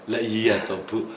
lah iya tau bu